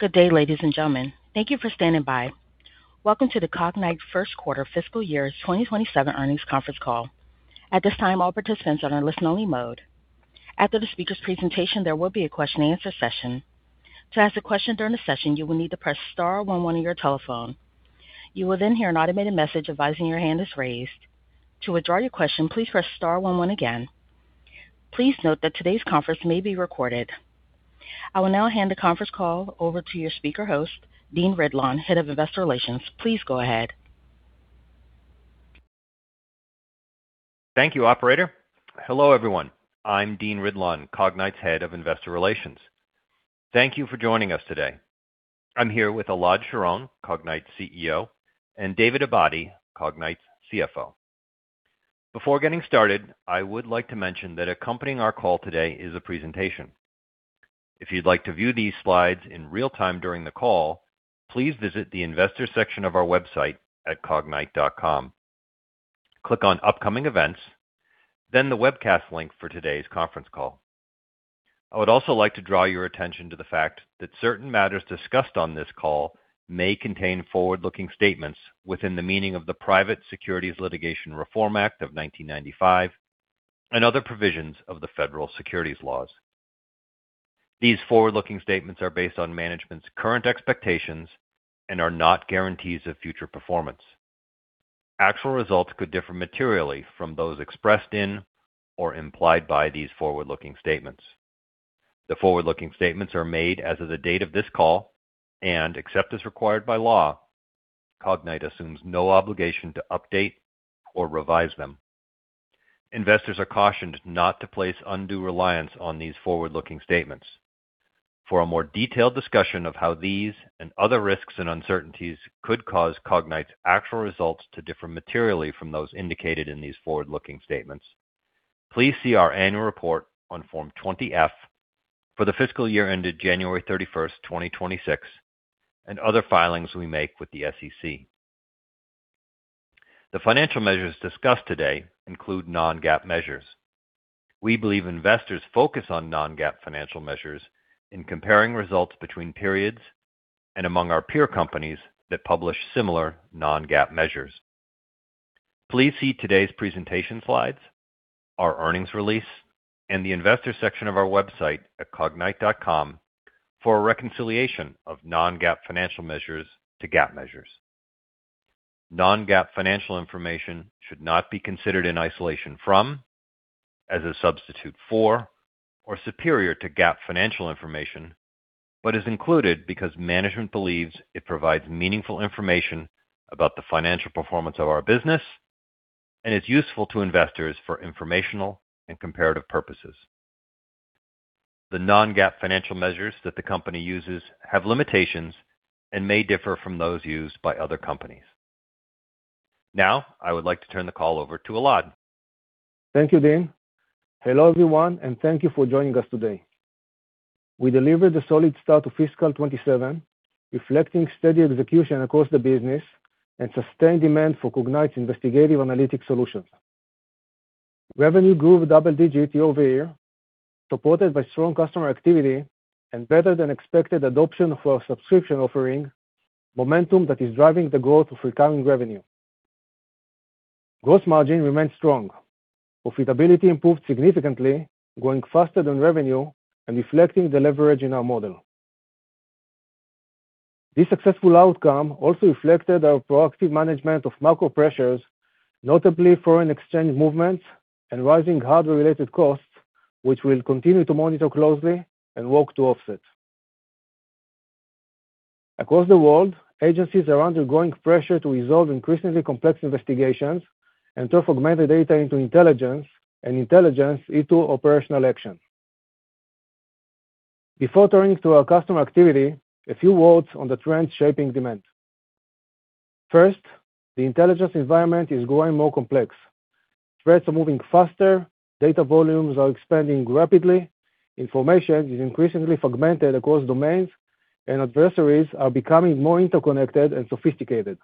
Good day, ladies and gentlemen. Thank you for standing by. Welcome to the Cognyte First Quarter Fiscal Year 2027 Earnings conference call. At this time, all participants are on listen only mode. After the speaker's presentation, there will be a question answer session. To ask a question during the session, you will need to press star one one on your telephone. You will hear an automated message advising your hand is raised. To withdraw your question, please press star one one again. Please note that today's conference may be recorded. I will now hand the conference call over to your speaker host, Dean Ridlon, Head of Investor Relations. Please go ahead. Thank you, operator. Hello, everyone. I'm Dean Ridlon, Cognyte's Head of Investor Relations. Thank you for joining us today. I'm here with Elad Sharon, Cognyte's CEO, and David Abadi, Cognyte's CFO. Before getting started, I would like to mention that accompanying our call today is a presentation. If you'd like to view these slides in real-time during the call, please visit the investor section of our website at cognyte.com. Click on upcoming events, then the webcast link for today's conference call. I would also like to draw your attention to the fact that certain matters discussed on this call may contain forward-looking statements within the meaning of the Private Securities Litigation Reform Act of 1995 and other provisions of the federal securities laws. These forward-looking statements are based on management's current expectations and are not guarantees of future performance. Actual results could differ materially from those expressed in or implied by these forward-looking statements. The forward-looking statements are made as of the date of this call, and except as required by law, Cognyte assumes no obligation to update or revise them. Investors are cautioned not to place undue reliance on these forward-looking statements. For a more detailed discussion of how these and other risks and uncertainties could cause Cognyte's actual results to differ materially from those indicated in these forward-looking statements, please see our annual report on Form 20-F for the fiscal year ended January 31, 2026, and other filings we make with the SEC. The financial measures discussed today include non-GAAP measures. We believe investors focus on non-GAAP financial measures in comparing results between periods and among our peer companies that publish similar non-GAAP measures. Please see today's presentation slides, our earnings release, and the investor section of our website at cognyte.com for a reconciliation of non-GAAP financial measures to GAAP measures. Non-GAAP financial information should not be considered in isolation from, as a substitute for, or superior to GAAP financial information, but is included because management believes it provides meaningful information about the financial performance of our business and is useful to investors for informational and comparative purposes. The non-GAAP financial measures that the company uses have limitations and may differ from those used by other companies. Now, I would like to turn the call over to Elad. Thank you, Dean. Hello, everyone, and thank you for joining us today. We delivered a solid start to FY 2027, reflecting steady execution across the business and sustained demand for Cognyte's investigative analytics solutions. Revenue grew double digits over a year, supported by strong customer activity and better than expected adoption for our subscription offering, momentum that is driving the growth of recurring revenue. Gross margin remained strong. Profitability improved significantly, growing faster than revenue and reflecting the leverage in our model. This successful outcome also reflected our proactive management of macro pressures, notably foreign exchange movements and rising hardware-related costs, which we'll continue to monitor closely and work to offset. Across the world, agencies are under growing pressure to resolve increasingly complex investigations and turn fragmented data into intelligence and intelligence into operational action. Before turning to our customer activity, a few words on the trends shaping demand. First, the intelligence environment is growing more complex. Threats are moving faster, data volumes are expanding rapidly, information is increasingly fragmented across domains, and adversaries are becoming more interconnected and sophisticated.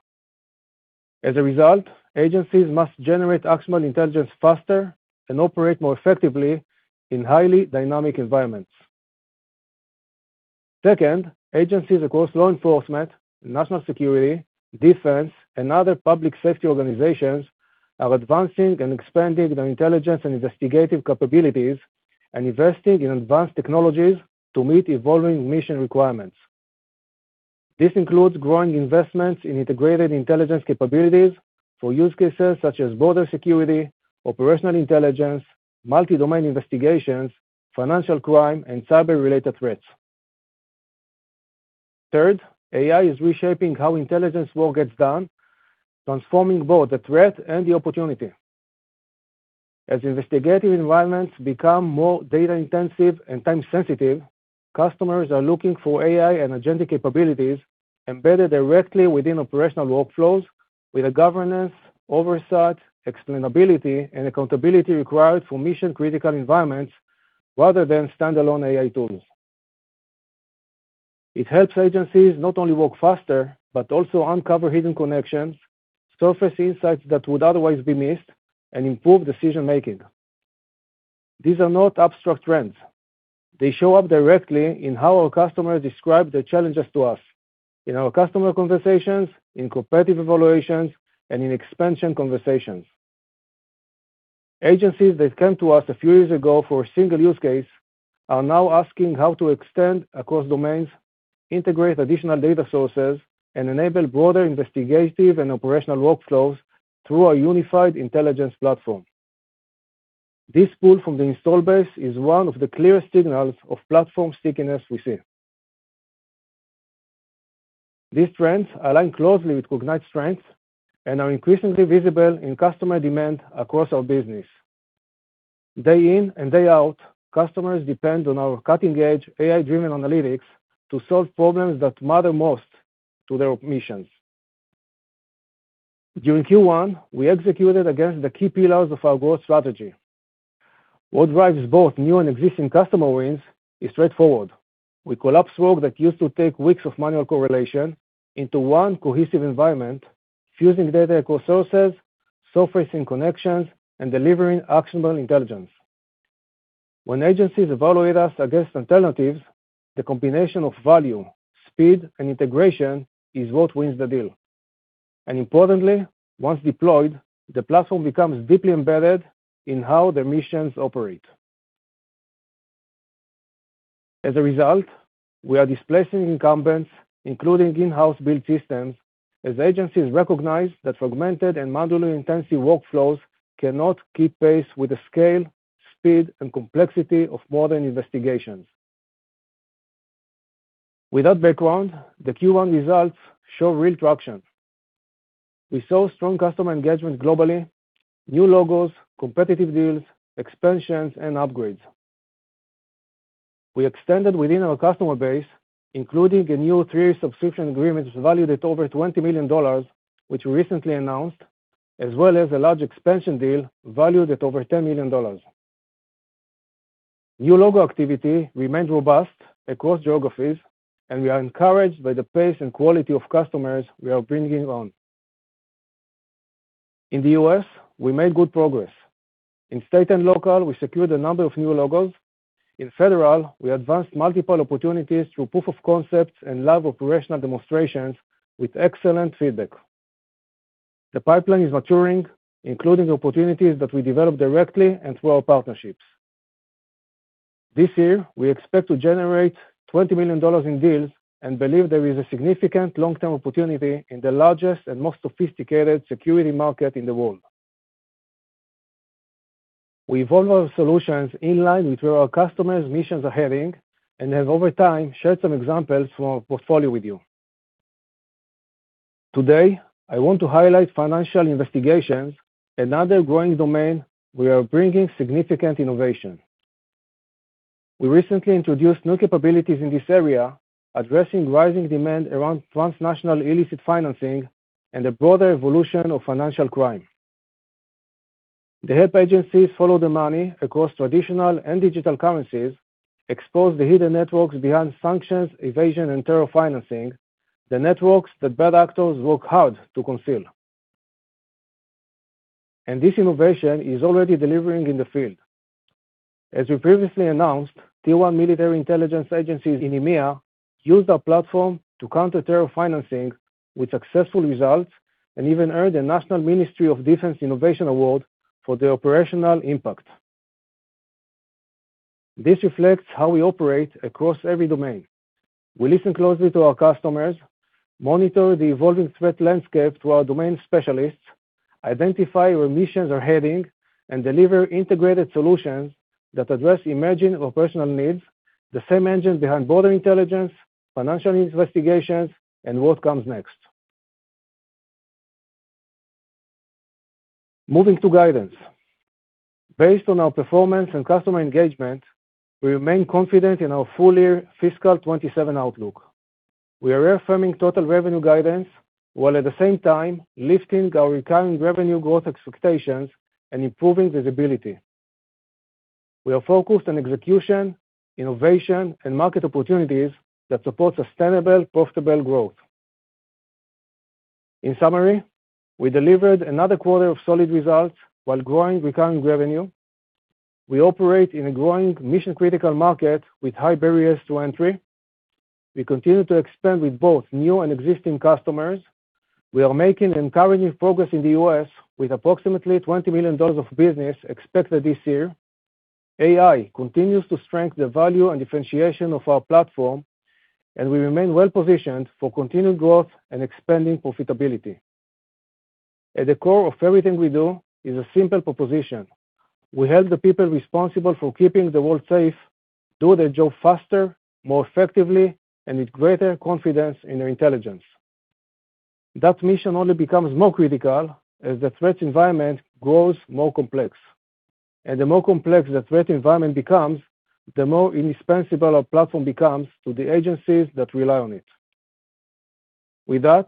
As a result, agencies must generate actionable intelligence faster and operate more effectively in highly dynamic environments. Second, agencies across law enforcement, national security, defense, and other public safety organizations are advancing and expanding their intelligence and investigative capabilities and investing in advanced technologies to meet evolving mission requirements. This includes growing investments in integrated intelligence capabilities for use cases such as border security, operational intelligence, multi-domain investigations, financial crime, and cyber-related threats. Third, AI is reshaping how intelligence work gets done, transforming both the threat and the opportunity. As investigative environments become more data-intensive and time-sensitive, customers are looking for AI and agentic capabilities embedded directly within operational workflows with the governance, oversight, explainability, and accountability required for mission-critical environments rather than standalone AI tools. It helps agencies not only work faster, but also uncover hidden connections, surface insights that would otherwise be missed, and improve decision-making. These are not abstract trends. They show up directly in how our customers describe the challenges to us, in our customer conversations, in competitive evaluations, and in expansion conversations. Agencies that came to us a few years ago for a single use case are now asking how to extend across domains, integrate additional data sources, and enable broader investigative and operational workflows through our unified intelligence platform. This pull from the install base is one of the clearest signals of platform stickiness we see. These trends align closely with Cognyte's strengths and are increasingly visible in customer demand across our business. Day in and day out, customers depend on our cutting-edge AI-driven analytics to solve problems that matter most to their missions. During Q1, we executed against the key pillars of our growth strategy. What drives both new and existing customer wins is straightforward. We collapse work that used to take weeks of manual correlation into one cohesive environment, fusing data across sources, surfacing connections, and delivering actionable intelligence. When agencies evaluate us against alternatives, the combination of value, speed, and integration is what wins the deal. Importantly, once deployed, the platform becomes deeply embedded in how their missions operate. As a result, we are displacing incumbents, including in-house built systems, as agencies recognize that fragmented and manually intensive workflows cannot keep pace with the scale, speed, and complexity of modern investigations. With that background, the Q1 results show real traction. We saw strong customer engagement globally, new logos, competitive deals, expansions, and upgrades. We extended within our customer base, including a new three-year subscription agreement valued at over $20 million, which we recently announced, as well as a large expansion deal valued at over $10 million. New logo activity remained robust across geographies, and we are encouraged by the pace and quality of customers we are bringing on. In the U.S., we made good progress. In State and Local, we secured a number of new logos. In Federal, we advanced multiple opportunities through proof of concepts and live operational demonstrations with excellent feedback. The pipeline is maturing, including opportunities that we develop directly and through our partnerships. This year, we expect to generate $20 million in deals and believe there is a significant long-term opportunity in the largest and most sophisticated security market in the world. We evolve our solutions in line with where our customers' missions are heading and have over time shared some examples from our portfolio with you. Today, I want to highlight financial investigations, another growing domain we are bringing significant innovation. We recently introduced new capabilities in this area, addressing rising demand around transnational illicit financing and the broader evolution of financial crime. They help agencies follow the money across traditional and digital currencies, expose the hidden networks behind sanctions, evasion, and terror financing, the networks that bad actors work hard to conceal. This innovation is already delivering in the field. As we previously announced, Tier-1 military intelligence agencies in EMEA used our platform to counter terror financing with successful results and even earned a National Ministry of Defense Innovation Award for their operational impact. This reflects how we operate across every domain. We listen closely to our customers, monitor the evolving threat landscape through our domain specialists, identify where missions are heading, and deliver integrated solutions that address emerging operational needs, the same engines behind border intelligence, financial investigations, and what comes next. Moving to guidance. Based on our performance and customer engagement, we remain confident in our full-year fiscal 2027 outlook. We are reaffirming total revenue guidance, while at the same time lifting our recurring revenue growth expectations and improving visibility. We are focused on execution, innovation, and market opportunities that support sustainable, profitable growth. In summary, we delivered another quarter of solid results while growing recurring revenue. We operate in a growing mission-critical market with high barriers to entry. We continue to expand with both new and existing customers. We are making encouraging progress in the U.S. with approximately $20 million of business expected this year. AI continues to strengthen the value and differentiation of our platform, and we remain well-positioned for continued growth and expanding profitability. At the core of everything we do is a simple proposition. We help the people responsible for keeping the world safe do their job faster, more effectively, and with greater confidence in their intelligence. That mission only becomes more critical as the threat environment grows more complex. The more complex the threat environment becomes, the more indispensable our platform becomes to the agencies that rely on it. With that,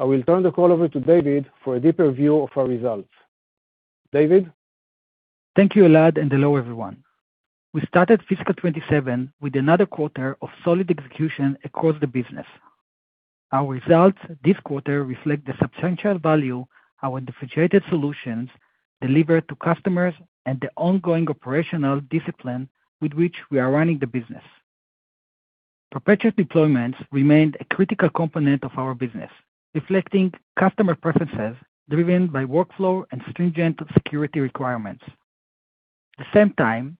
I will turn the call over to David for a deeper view of our results. David? Thank you, Elad, and hello, everyone. We started fiscal 2027 with another quarter of solid execution across the business. Our results this quarter reflect the substantial value our differentiated solutions deliver to customers and the ongoing operational discipline with which we are running the business. Perpetual deployments remained a critical component of our business, reflecting customer preferences driven by workflow and stringent security requirements. At the same time,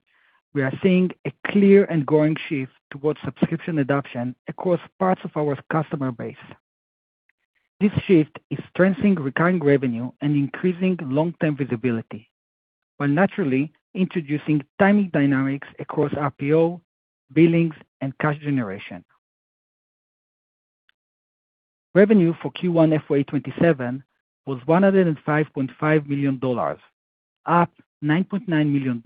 we are seeing a clear and growing shift towards subscription adoption across parts of our customer base. This shift is strengthening recurring revenue and increasing long-term visibility, while naturally introducing timing dynamics across RPO, billings, and cash generation. Revenue for Q1 FY 2027 was $105.5 million, up $9.9 million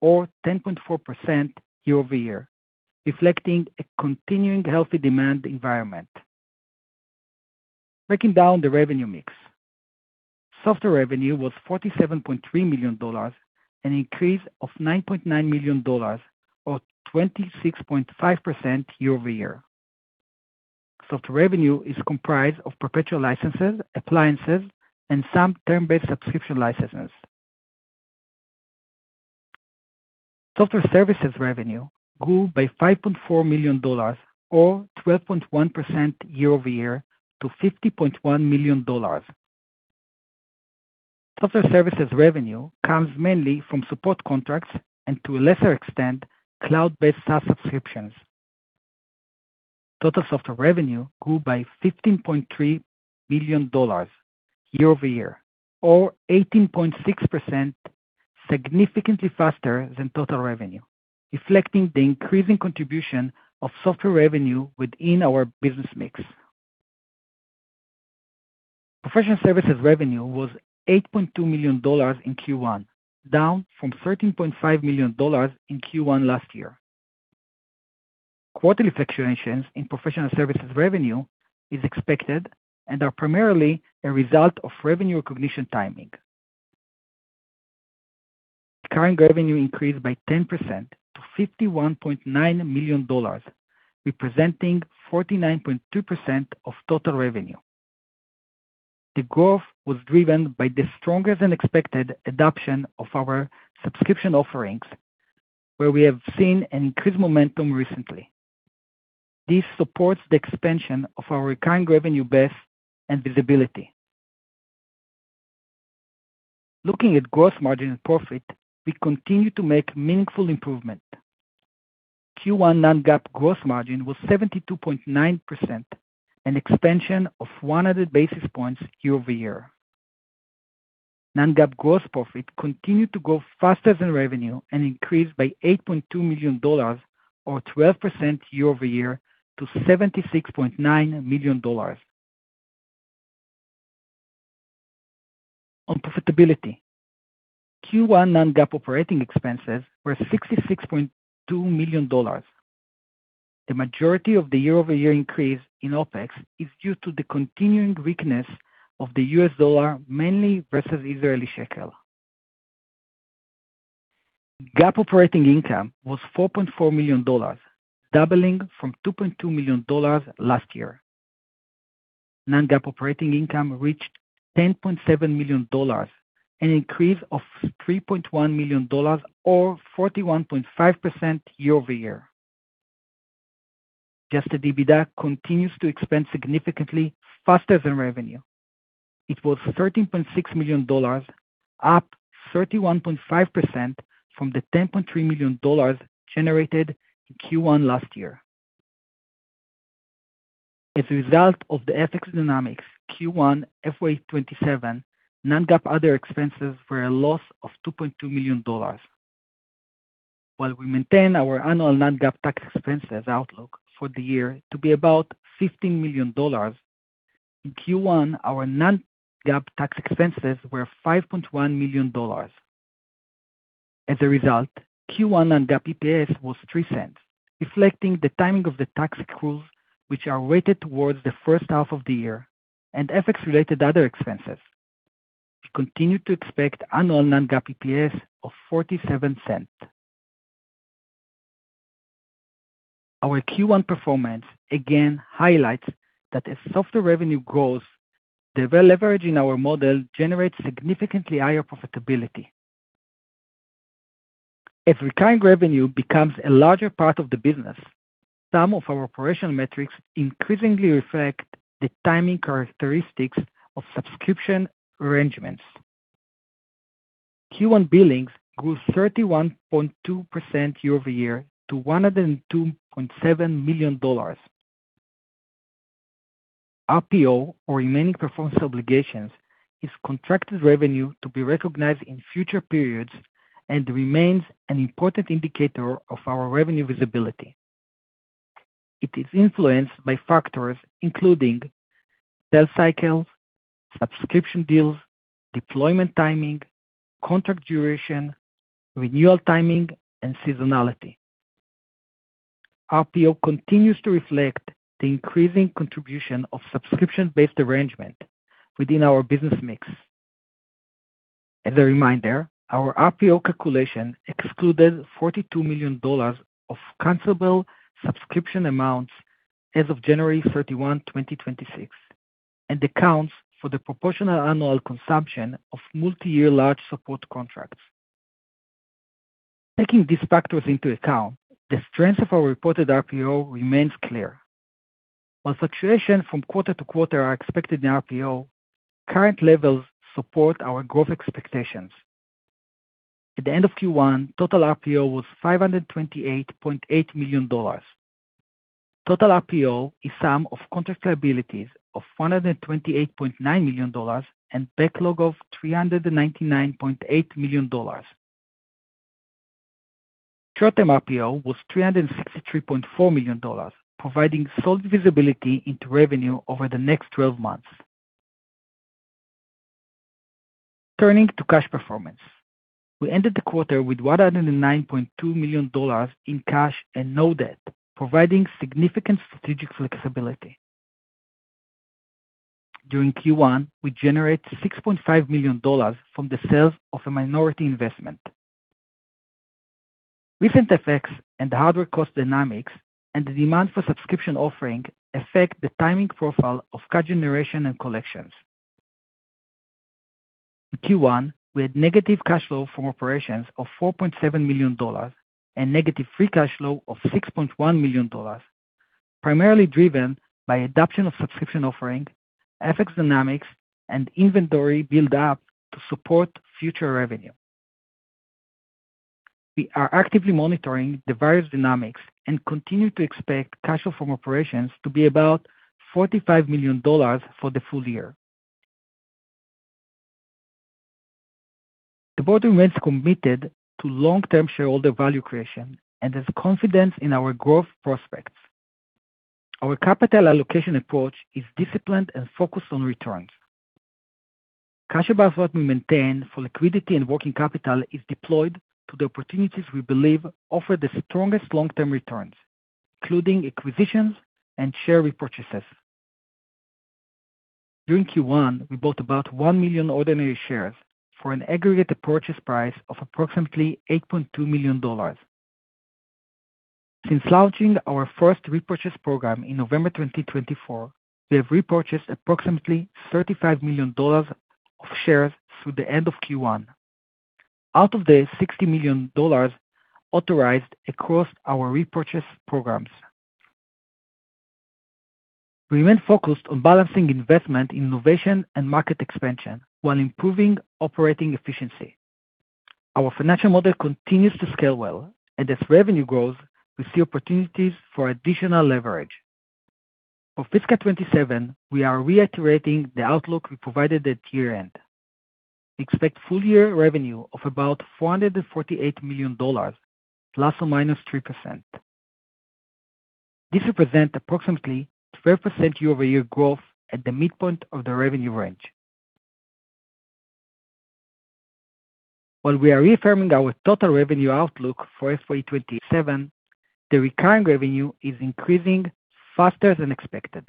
or 10.4% year-over-year, reflecting a continuing healthy demand environment. Breaking down the revenue mix. Software revenue was $47.3 million, an increase of $9.9 million or 26.5% year-over-year. Software revenue is comprised of perpetual licenses, appliances, and some term-based subscription licenses. Software services revenue grew by $5.4 million or 12.1% year-over-year to $50.1 million. Software services revenue comes mainly from support contracts and, to a lesser extent, cloud-based SaaS subscriptions. Total software revenue grew by $15.3 million year-over-year or 18.6%, significantly faster than total revenue, reflecting the increasing contribution of software revenue within our business mix. Professional services revenue was $8.2 million in Q1, down from $13.5 million in Q1 last year. Quarterly fluctuations in professional services revenue is expected and are primarily a result of revenue recognition timing. Recurring revenue increased by 10% to $51.9 million, representing 49.2% of total revenue. The growth was driven by the stronger-than-expected adoption of our subscription offerings, where we have seen an increased momentum recently. This supports the expansion of our recurring revenue base and visibility. Looking at gross margin and profit, we continue to make meaningful improvement. Q1 non-GAAP gross margin was 72.9%, an expansion of 100 basis points year-over-year. Non-GAAP gross profit continued to grow faster than revenue and increased by $8.2 million or 12% year-over-year to $76.9 million. On profitability, Q1 non-GAAP operating expenses were $66.2 million. The majority of the year-over-year increase in OpEx is due to the continuing weakness of the US dollar, mainly versus Israeli shekel. GAAP operating income was $4.4 million, doubling from $2.2 million last year. Non-GAAP operating income reached $10.7 million, an increase of $3.1 million or 41.5% year-over-year. Adjusted EBITDA continues to expand significantly faster than revenue. It was $13.6 million, up 31.5% from the $10.3 million generated in Q1 last year. As a result of the FX dynamics Q1 FY 2027, non-GAAP other expenses were a loss of $2.2 million. While we maintain our annual non-GAAP tax expenses outlook for the year to be about $15 million, in Q1, our non-GAAP tax expenses were $5.1 million. As a result, Q1 non-GAAP EPS was $0.03, reflecting the timing of the tax accruals, which are weighted towards the first half of the year, and FX-related other expenses. We continue to expect annual non-GAAP EPS of $0.47. Our Q1 performance again highlights that as software revenue grows, the leverage in our model generates significantly higher profitability. As recurring revenue becomes a larger part of the business, some of our operational metrics increasingly reflect the timing characteristics of subscription arrangements. Q1 billings grew 31.2% year-over-year to $102.7 million. RPO, or remaining performance obligations, is contracted revenue to be recognized in future periods and remains an important indicator of our revenue visibility. It is influenced by factors including sales cycles, subscription deals, deployment timing, contract duration, renewal timing, and seasonality. RPO continues to reflect the increasing contribution of subscription-based arrangement within our business mix. As a reminder, our RPO calculation excluded $42 million of cancelable subscription amounts as of January 31, 2026 and accounts for the proportional annual consumption of multiyear large support contracts. Taking these factors into account, the strength of our reported RPO remains clear. While fluctuation from quarter to quarter are expected in RPO, current levels support our growth expectations. At the end of Q1, total RPO was $528.8 million. Total RPO is sum of contract liabilities of $128.9 million and backlog of $399.8 million. Short-term RPO was $363.4 million, providing solid visibility into revenue over the next 12 months. Turning to cash performance. We ended the quarter with $109.2 million in cash and no debt, providing significant strategic flexibility. During Q1, we generated $6.5 million from the sales of a minority investment. Recent FX and hardware cost dynamics and the demand for subscription offering affect the timing profile of cash generation and collections. In Q1, we had negative cash flow from operations of $4.7 million and negative free cash flow of $6.1 million, primarily driven by adoption of subscription offering, FX dynamics, and inventory build-up to support future revenue. We are actively monitoring the various dynamics and continue to expect cash flow from operations to be about $45 million for the full year. The board remains committed to long-term shareholder value creation and has confidence in our growth prospects. Our capital allocation approach is disciplined and focused on returns. Cash above what we maintain for liquidity and working capital is deployed to the opportunities we believe offer the strongest long-term returns, including acquisitions and share repurchases. During Q1, we bought about 1 million ordinary shares for an aggregate purchase price of approximately $8.2 million. Since launching our first repurchase program in November 2024, we have repurchased approximately $35 million of shares through the end of Q1 out of the $60 million authorized across our repurchase programs. We remain focused on balancing investment in innovation and market expansion while improving operating efficiency. Our financial model continues to scale well, and as revenue grows, we see opportunities for additional leverage. For FY 2027, we are reiterating the outlook we provided at year-end. We expect full-year revenue of about $448 million, ±3%. This represents approximately 12% year-over-year growth at the midpoint of the revenue range. While we are reaffirming our total revenue outlook for FY 2027, the recurring revenue is increasing faster than expected.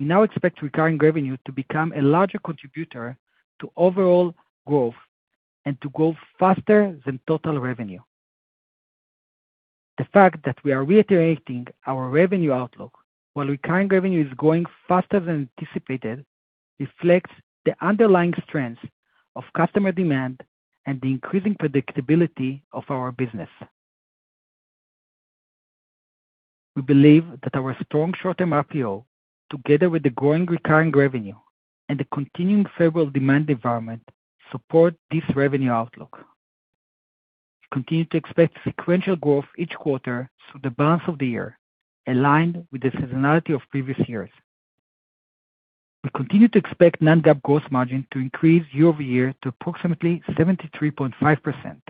We now expect recurring revenue to become a larger contributor to overall growth and to grow faster than total revenue. The fact that we are reiterating our revenue outlook while recurring revenue is growing faster than anticipated reflects the underlying strength of customer demand and the increasing predictability of our business. We believe that our strong short-term RPO, together with the growing recurring revenue and the continuing favorable demand environment, support this revenue outlook. We continue to expect sequential growth each quarter through the balance of the year, aligned with the seasonality of previous years. We continue to expect non-GAAP gross margin to increase year-over-year to approximately 73.5%.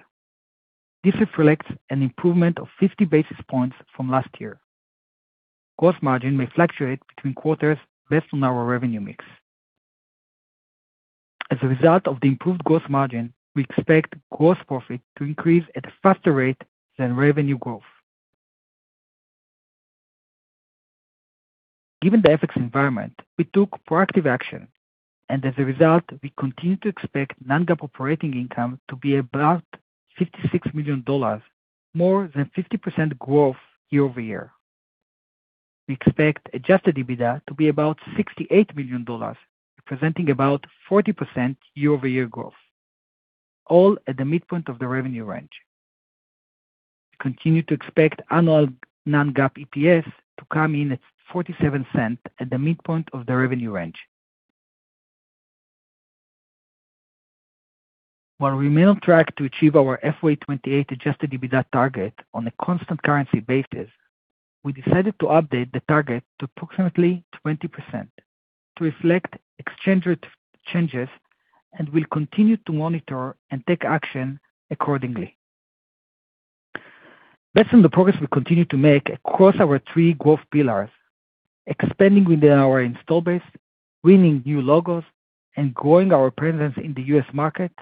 This reflects an improvement of 50 basis points from last year. Gross margin may fluctuate between quarters based on our revenue mix. As a result of the improved gross margin, we expect gross profit to increase at a faster rate than revenue growth. Given the FX environment, we took proactive action and, as a result, we continue to expect non-GAAP operating income to be about $56 million, more than 50% growth year-over-year. We expect adjusted EBITDA to be about $68 million, representing about 40% year-over-year growth, all at the midpoint of the revenue range. We continue to expect annual non-GAAP EPS to come in at $0.47 at the midpoint of the revenue range. While we remain on track to achieve our FY 2028 adjusted EBITDA target on a constant currency basis, we decided to update the target to approximately 20% to reflect exchange rate changes and will continue to monitor and take action accordingly. Based on the progress we continue to make across our three growth pillars, expanding within our install base, winning new logos, and growing our presence in the U.S. market.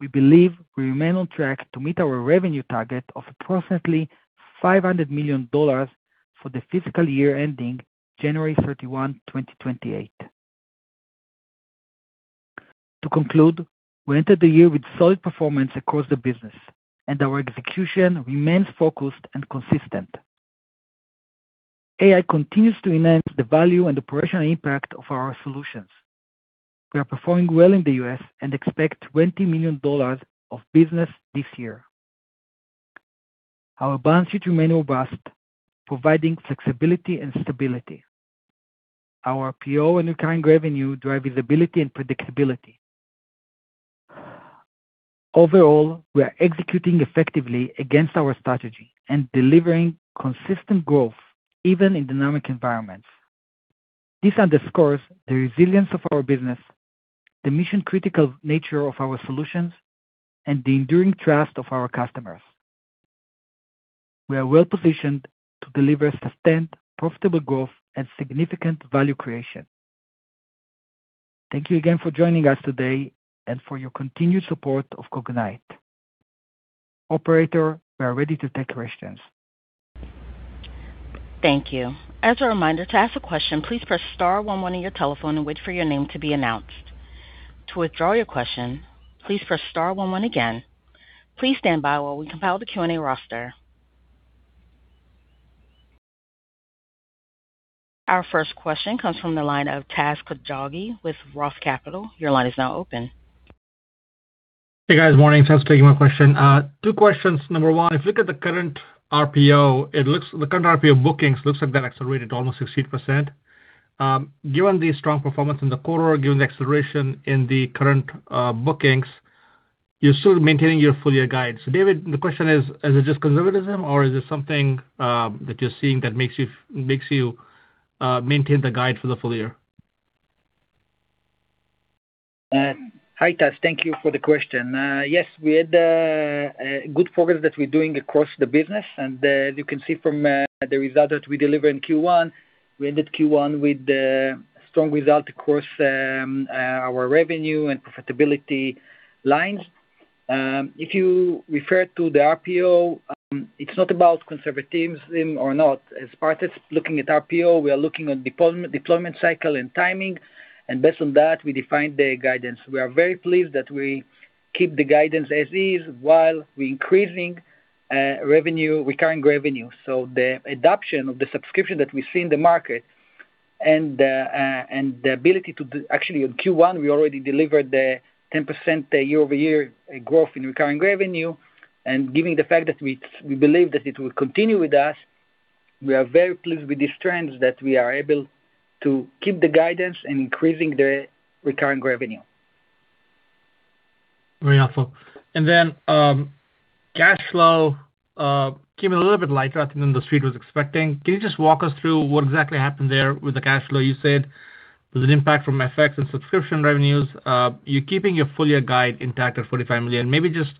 We believe we remain on track to meet our revenue target of approximately $500 million for the fiscal year ending January 31, 2028. To conclude, we entered the year with solid performance across the business. Our execution remains focused and consistent. AI continues to enhance the value and operational impact of our solutions. We are performing well in the U.S. and expect $20 million of business this year. Our balance sheet remain robust, providing flexibility and stability. Our RPO and recurring revenue drive visibility and predictability. Overall, we are executing effectively against our strategy and delivering consistent growth even in dynamic environments. This underscores the resilience of our business, the mission-critical nature of our solutions, and the enduring trust of our customers. We are well-positioned to deliver sustained profitable growth and significant value creation. Thank you again for joining us today and for your continued support of Cognyte. Operator, we are ready to take questions. Thank you. As a reminder, to ask a question, please press star one one on your telephone and wait for your name to be announced. To withdraw your question, please press star one one again. Please stand by while we compile the Q&A roster. Our first question comes from the line of Taz Koujalgi with Roth Capital. Your line is now open. Hey, guys. Morning. Thanks for taking my question. Two questions. Number one, if you look at the current RPO, the current RPO bookings looks like that accelerated to almost 16%. Given the strong performance in the quarter, given the acceleration in the current bookings, you're still maintaining your full-year guide. David, the question is it just conservatism or is it something that you're seeing that makes you maintain the guide for the full year? Hi, Taz. Thank you for the question. Yes, we had good progress that we're doing across the business. You can see from the results that we deliver in Q1, we ended Q1 with strong results across our revenue and profitability lines. If you refer to the RPO, it's not about conservatism or not. As part of looking at RPO, we are looking on deployment cycle and timing, and based on that, we define the guidance. We are very pleased that we keep the guidance as is while we're increasing recurring revenue. The adoption of the subscription that we see in the market and the ability to Actually, on Q1, we already delivered the 10% year-over-year growth in recurring revenue. Given the fact that we believe that it will continue with us, we are very pleased with this trend that we are able to keep the guidance and increasing the recurring revenue. Very helpful. Cash flow came a little bit lighter than the street was expecting. Can you just walk us through what exactly happened there with the cash flow? You said there's an impact from FX and subscription revenues. You're keeping your full-year guide intact at $45 million. Maybe just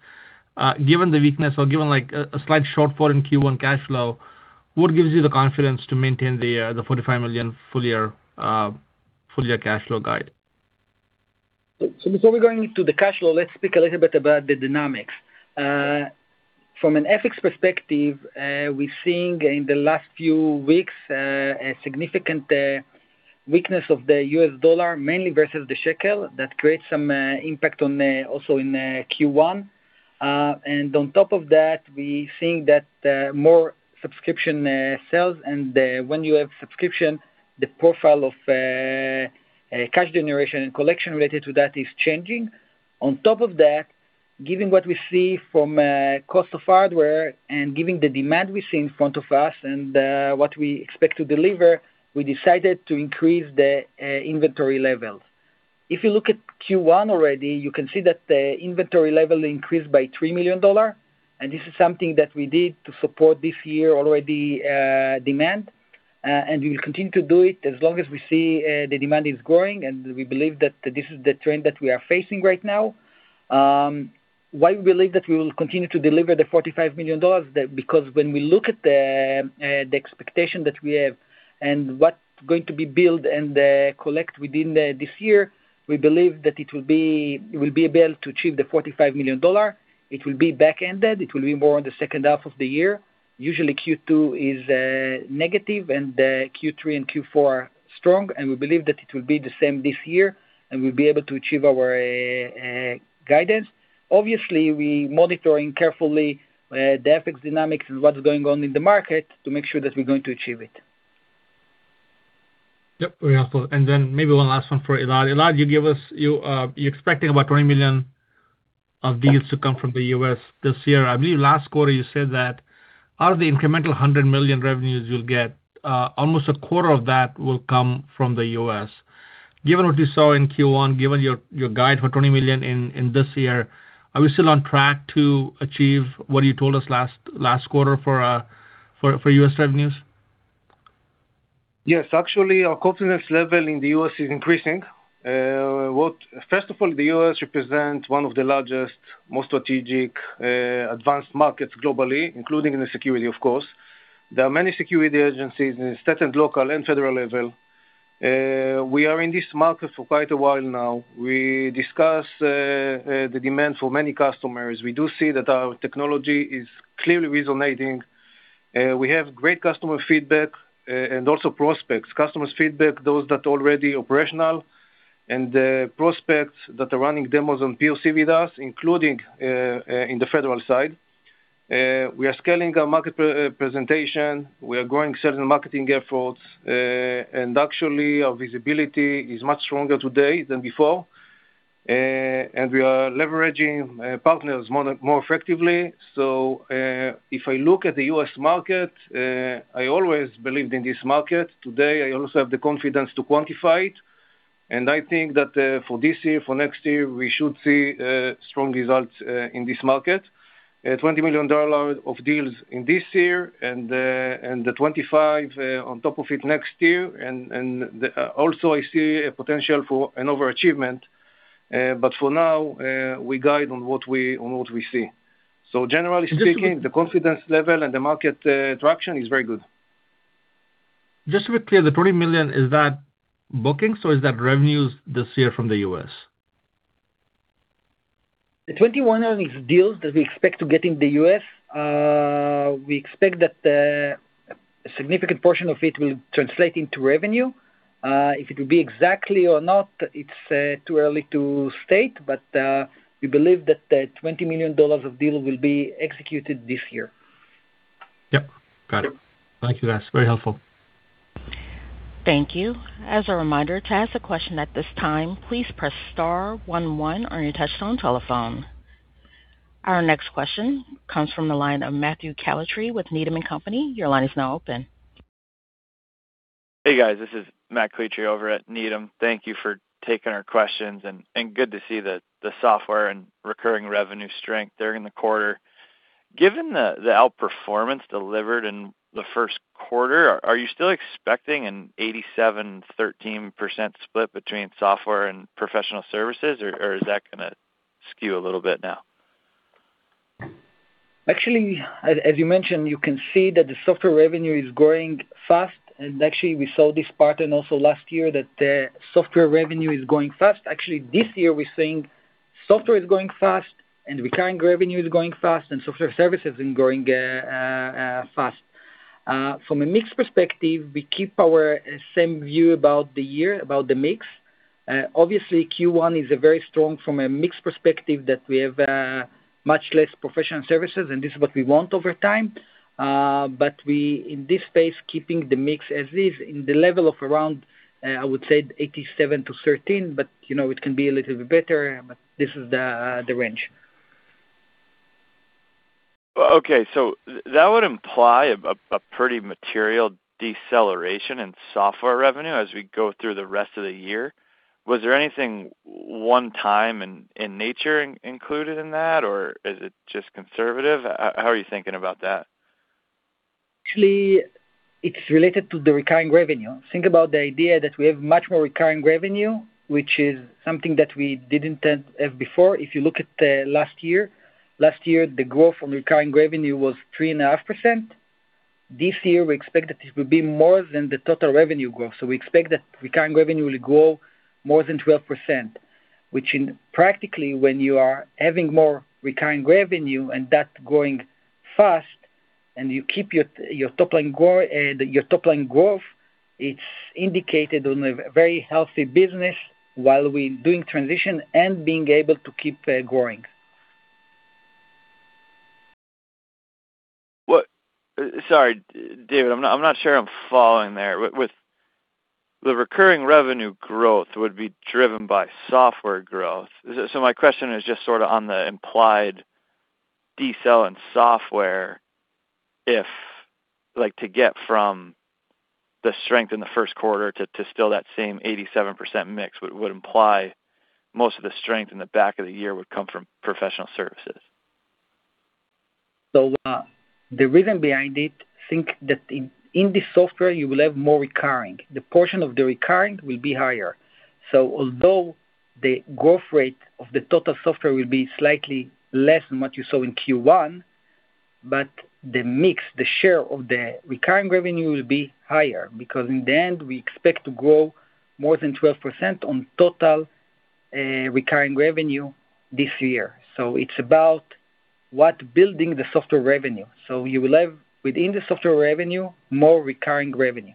given the weakness or given a slight shortfall in Q1 cash flow, what gives you the confidence to maintain the $45 million full-year cash flow guide? Before we go into the cash flow, let's speak a little bit about the dynamics. From an FX perspective, we're seeing in the last few weeks, a significant weakness of the US dollar, mainly versus the shekel, that creates some impact also in Q1. On top of that, we seeing that more subscription sales. When you have subscription, the profile of cash generation and collection related to that is changing. On top of that, given what we see from cost of hardware and given the demand we see in front of us and what we expect to deliver, we decided to increase the inventory levels. If you look at Q1 already, you can see that the inventory level increased by $3 million. This is something that we did to support this year already demand, and we will continue to do it as long as we see the demand is growing, and we believe that this is the trend that we are facing right now. Why we believe that we will continue to deliver the $45 million? Because when we look at the expectation that we have and what's going to be billed and collect within this year, we believe that it will be able to achieve the $45 million. It will be back-ended. It will be more on the second half of the year. Usually, Q2 is negative, and Q3 and Q4 are strong, and we believe that it will be the same this year, and we'll be able to achieve our guidance. Obviously, we're monitoring carefully the FX dynamics and what's going on in the market to make sure that we're going to achieve it. Yep, very helpful. Maybe one last one for Elad. Elad, you're expecting about $20 million of deals to come from the U.S. this year. I believe last quarter you said that out of the incremental $100 million revenues you'll get, almost a quarter of that will come from the U.S. Given what you saw in Q1, given your guide for $20 million in this year, are we still on track to achieve what you told us last quarter for U.S. revenues? Yes. Our confidence level in the U.S. is increasing. The U.S. represents one of the largest, most strategic, advanced markets globally, including in the security, of course. There are many security agencies in State and Local, and Federal level. We are in this market for quite a while now. We discuss the demand for many customers. We do see that our technology is clearly resonating. We have great customer feedback and also prospects. Customers' feedback, those that already operational, and prospects that are running demos on POC with us, including in the Federal side. We are scaling our market presentation, we are growing certain marketing efforts, and actually, our visibility is much stronger today than before. We are leveraging partners more effectively. If I look at the U.S. market, I always believed in this market. Today, I also have the confidence to quantify it, and I think that for this year, for next year, we should see strong results in this market. $20 million of deals in this year and the $25 on top of it next year. Also I see a potential for an overachievement, but for now, we guide on what we see. Generally speaking, the confidence level and the market traction is very good. Just to be clear, the $20 million, is that bookings or is that revenues this year from the U.S.? The $20 million deals that we expect to get in the U.S. We expect that a significant portion of it will translate into revenue. If it will be exactly or not, it's too early to state. We believe that $20 million of deals will be executed this year. Yep, got it. Thank you, guys. Very helpful. Thank you. As a reminder, to ask a question at this time, please press star one one on your touchtone telephone. Our next question comes from the line of Matthew Calitri with Needham & Company. Your line is now open. Hey, guys, this is Matt Calitri over at Needham. Thank you for taking our questions, and good to see the software and recurring revenue strength during the quarter. Given the outperformance delivered in the first quarter, are you still expecting an 87/13% split between software and professional services, or is that going to skew a little bit now? Actually, as you mentioned, you can see that the software revenue is growing fast. Actually, we saw this pattern also last year, that software revenue is growing fast. Actually, this year we're seeing software is growing fast and recurring revenue is growing fast and software services is growing fast. From a mix perspective, we keep our same view about the year, about the mix. Obviously, Q1 is very strong from a mix perspective that we have much less professional services, and this is what we want over time. We, in this space, keeping the mix as is in the level of around, I would say, 87/13%, it can be a little bit better, this is the range. Okay. That would imply a pretty material deceleration in software revenue as we go through the rest of the year. Was there anything one-time in nature included in that, or is it just conservative? How are you thinking about that? Actually, it's related to the recurring revenue. Think about the idea that we have much more recurring revenue, which is something that we didn't have before. If you look at last year, the growth from recurring revenue was 3.5%. This year, we expect that it will be more than the total revenue growth. We expect that recurring revenue will grow more than 12%, which practically, when you are having more recurring revenue and that growing fast, and you keep your top line growth, it's indicated on a very healthy business while we're doing transition and being able to keep growing. Sorry, David, I'm not sure I'm following there. With the recurring revenue growth would be driven by software growth. My question is just sort of on the implied decel in software if, like, to get from the strength in the first quarter to still that same 87% mix would imply most of the strength in the back of the year would come from professional services. The reason behind it, think that in the software, you will have more recurring. The portion of the recurring will be higher. Although the growth rate of the total software will be slightly less than what you saw in Q1, but the mix, the share of the recurring revenue will be higher, because in the end, we expect to grow more than 12% on total recurring revenue this year. It's about what building the software revenue. You will have, within the software revenue, more recurring revenue.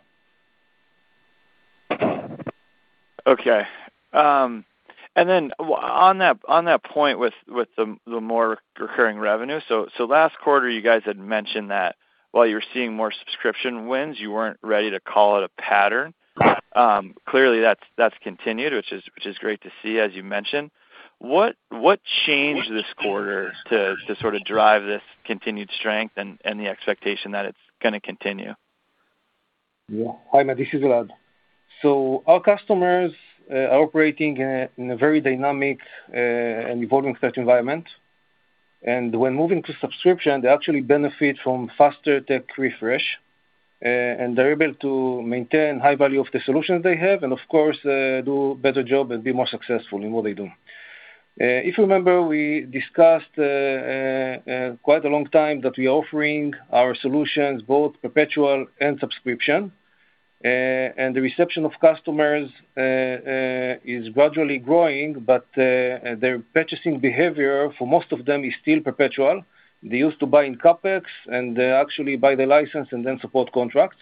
Okay. On that point with the more recurring revenue, last quarter you guys had mentioned that while you were seeing more subscription wins, you weren't ready to call it a pattern. Clearly, that's continued, which is great to see, as you mentioned. What changed this quarter to sort of drive this continued strength and the expectation that it's going to continue? Hi, Matt, this is Elad. Our customers are operating in a very dynamic and evolving threat environment. When moving to subscription, they actually benefit from faster tech refresh, and they're able to maintain high value of the solutions they have and of course, do a better job and be more successful in what they do. If you remember, we discussed quite a long time that we are offering our solutions, both perpetual and subscription. The reception of customers is gradually growing, but their purchasing behavior for most of them is still perpetual. They used to buy in CapEx, and they actually buy the license and then support contracts.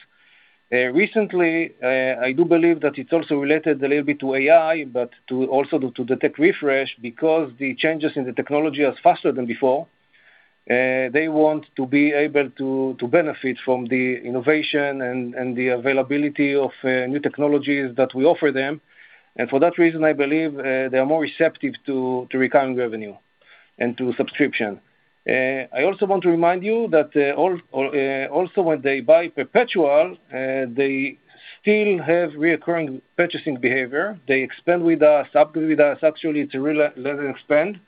Recently, I do believe that it's also related a little bit to AI, but also to tech refresh because the changes in the technology is faster than before. They want to be able to benefit from the innovation and the availability of new technologies that we offer them. For that reason, I believe, they are more receptive to recurring revenue and to subscription. I also want to remind you that also when they buy perpetual, they still have recurring purchasing behavior. They expand with us, upgrade with us actually to let it expand.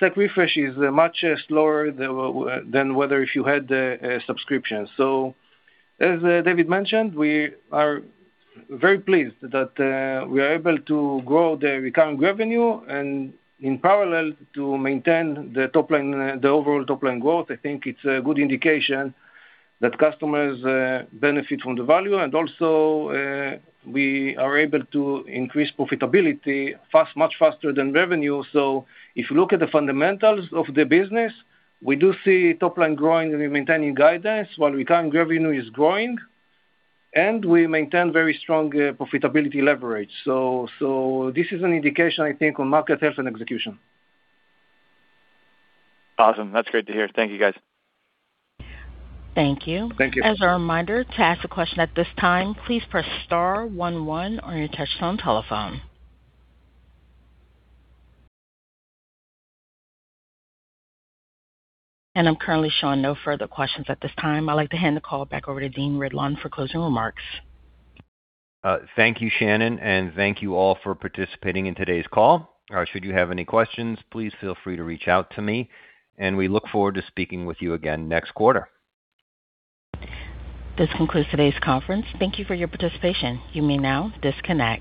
Tech refresh is much slower than whether if you had a subscription. As David mentioned, we are very pleased that we are able to grow the recurring revenue and in parallel to maintain the overall top-line growth. I think it's a good indication that customers benefit from the value and also, we are able to increase profitability much faster than revenue. If you look at the fundamentals of the business, we do see top line growing and maintaining guidance while recurring revenue is growing, and we maintain very strong profitability leverage. This is an indication, I think, on market health and execution. Awesome. That's great to hear. Thank you, guys. Thank you. Thank you. As a reminder, to ask a question at this time, please press star one one on your touchtone telephone. I'm currently showing no further questions at this time. I'd like to hand the call back over to Dean Ridlon for closing remarks. Thank you, Shannon, and thank you all for participating in today's call. Should you have any questions, please feel free to reach out to me, and we look forward to speaking with you again next quarter. This concludes today's conference. Thank you for your participation. You may now disconnect.